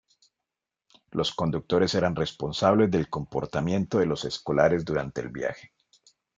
Los conductores eran responsables del comportamiento de los escolares durante el viaje.